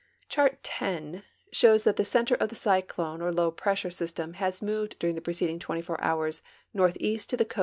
Chart X shows that the center of the cyclone or low pressure system has moved during the preceding 24 hours northeast to the coa.